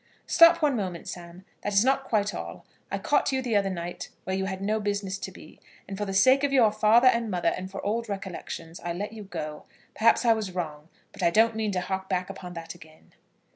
"Stop one moment, Sam. That is not quite all. I caught you the other night where you had no business to be, and for the sake of your father and mother, and for old recollections, I let you go. Perhaps I was wrong, but I don't mean to hark back upon that again."